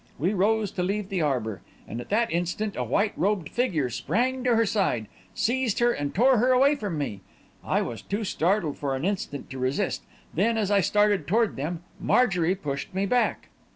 We rose to leave the arbour, and at that instant, a white robed figure sprang to her side, seized her and tore her away from me. I was too startled for an instant to resist; then, as I started toward them, Marjorie pushed me back.